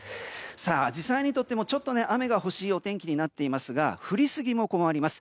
さあ、アジサイにとってもちょっと雨が欲しいお天気になっていますが降りすぎも困ります。